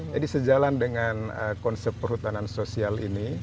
jadi sejalan dengan konsep perhutanan sosial ini